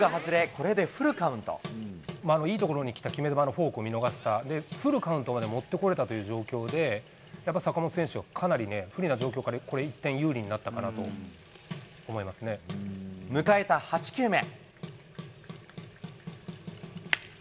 これでフルカウンいい所に来た決め球のフォークを見逃した、フルカウントまでもってこれたという状況で、やっぱり坂本選手はかなりね、不利な状況から、これ一転、有利になったかなと思迎えた８球目。